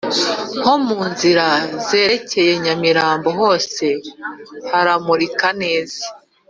Nkomunzira zerekeza nyamirambo hose haramurika neza